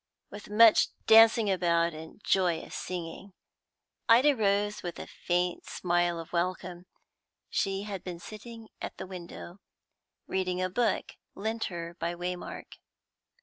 with much dancing about and joyous singing. Ida rose with a faint smile of welcome. She had been sitting at the window, reading a book lent her by Waymark.